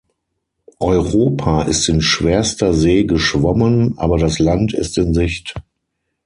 Europa ist in schwerster See geschwommen, aber das Land ist in Sicht.